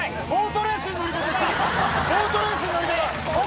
ボートレースの乗り方！